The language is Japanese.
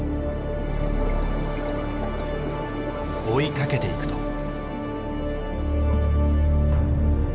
追いかけていくと。